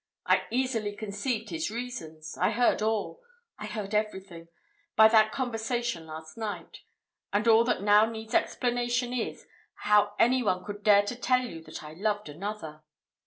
I easily conceived his reasons I heard all I heard everything, by that conversation last night; and all that now needs explanation is, how any one could dare to tell you that I loved another."